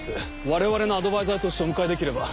我々のアドバイザーとしてお迎えできれば。